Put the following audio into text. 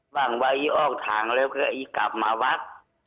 บางวัยออกทางเรียบก็กลับมาวัก